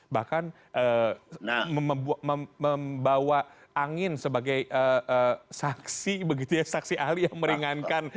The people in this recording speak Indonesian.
bahkan membawa angin sebagai saksi saksi ahli yang meringankan